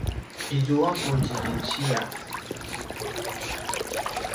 izua ku zidinsiya